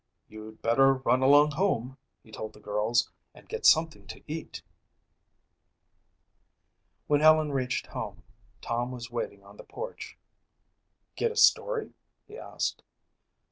"You'd better run along home," he told the girls, "and get something to eat." When Helen reached home, Tom was waiting on the porch. "Get a story?" he asked.